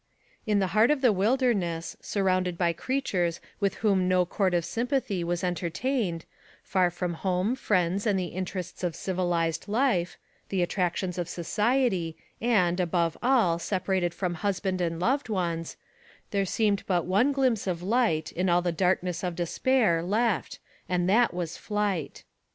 In the heart of the wilderness, surrounded by crea tures with whom no chord of sympathy was enter tained far from home, friends and the interests of civilized life the attractions of society, and, above all, separated from husband and loved ones there seemed but one glimpse of light, in all the blackness of despair, left, and that was flight.